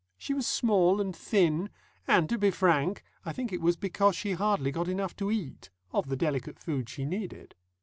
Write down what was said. She was small and thin, and, to be frank, I think it was because she hardly got enough to eat of the delicate food she needed.